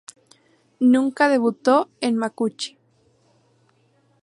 Nunca debutó en "makuuchi".